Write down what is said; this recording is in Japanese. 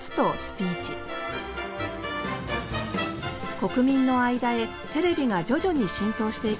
国民の間へテレビが徐々に浸透していく中